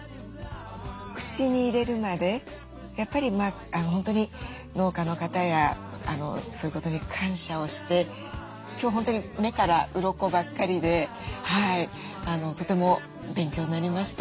口に入れるまでやっぱり本当に農家の方やそういうことに感謝をして今日本当に目からうろこばっかりでとても勉強になりました。